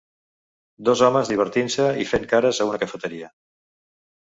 Dos homes divertint-se i fent cares a una cafeteria.